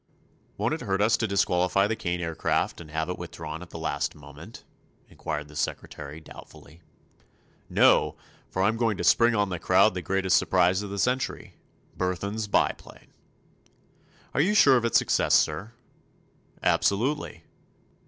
"Won't it hurt us to disqualify the Kane Aircraft and have it withdrawn at the last moment?" inquired the secretary, doubtfully. "No; for I'm going to spring on the crowd the biggest surprise of the century—Burthon's Biplane." "Are you sure of its success, sir?" "Absolutely.